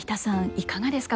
いかがですか？